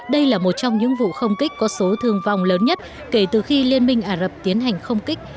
đây là một trong những vụ không kích có số thương vong lớn nhất kể từ khi liên minh ả rập tiến hành không kích